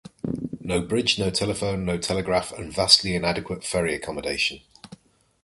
No bridge, no telephone, no telegraph, and vastly inadequate ferry accommodation.